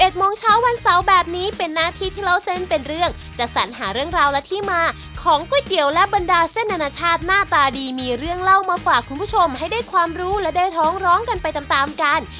ก็จะสรรหาเรื่องราวและที่มาของก๋วยเตี๋ยวและบรรดาเส้นนานชาติหน้าตาดีมีเรื่องเล่ามาฝากคุณผู้ชมให้ได้ความรู้และได้ท้องร้องกันไปตามกัน